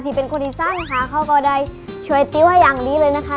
เป็นคนอีสานค่ะเขาก็ได้ช่วยติ๊วให้อย่างดีเลยนะคะ